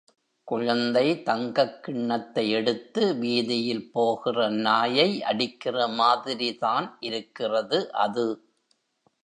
குழந்தை தங்கக் கிண்ணத்தை எடுத்து வீதியில் போகிற நாயை அடிக்கிறமாதிரிதான் இருக்கிறது அது.